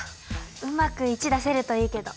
うまく１出せるといいけど。